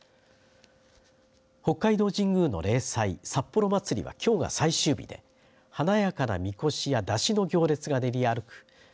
北海道神宮の例祭、札幌まつりはきょうが最終日で華やかなみこしや山車の行列が練り歩く